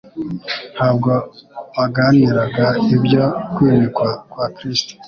Ntabwo baganiraga ibyo kwimikwa kwa Kristo,